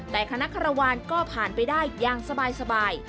แต่คณะคารวาลก็ผ่านไปได้อย่างสบาย